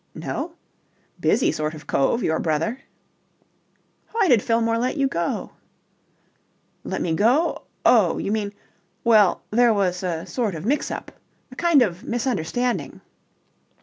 "No? Busy sort of cove, your brother." "Why did Fillmore let you go?" "Let me go? Oh, you mean... well, there was a sort of mix up. A kind of misunderstanding."